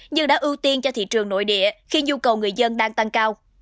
nhưng đã ưu tiên cho thị trường nội địa khi nhu cầu người dân đang tăng cao